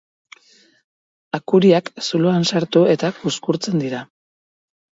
Akuriak zuloan sartu eta kuzkurtzen dira.